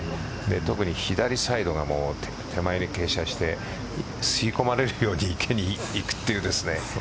特に左サイドが手前に傾斜して吸い込まれるように池にいくっていう。